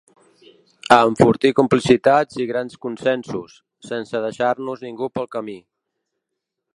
A enfortir complicitats i grans consensos, sense deixar-nos ningú pel camí.